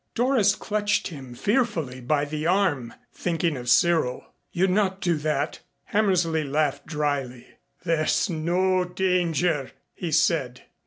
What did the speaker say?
Doris clutched him fearfully by the arm, thinking of Cyril. "You'd not do that ?" Hammersley laughed dryly. "There's no danger," he said.